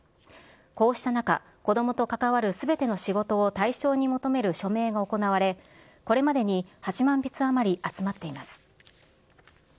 こうした中、子どもと関わるすべての仕事を対象に求める署名が行われ、これまでに８万筆余り集まっています。